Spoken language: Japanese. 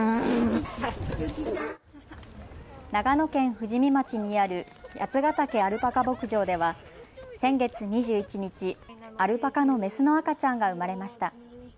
長野県富士見町にある八ヶ岳アルパカ牧場では先月２１日、アルパカのメスの赤ちゃんが生まれました。